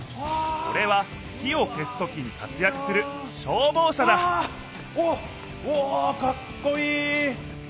これは火を消すときに活やくする消防車だおおっうわかっこいい！